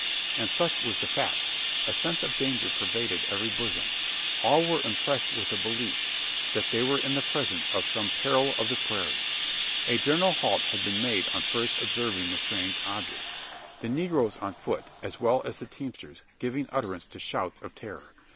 And such was the fact. A sense of danger pervaded every bosom. All were impressed with a belief: that they were in the presence of some peril of the prairies. A general halt had been made on first observing the strange objects: the negroes on foot, as well as the teamsters, giving utterance to shouts of terror.